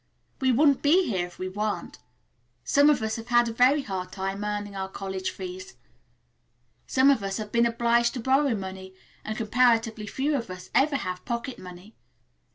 We wouldn't be here if we weren't. Some of us have a very hard time earning our college fees. Some of us have been obliged to borrow money, and comparatively few of us ever have pocket money.